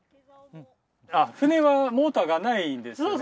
船はモーターがないんですね。